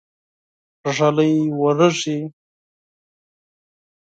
ږلۍ وريږي.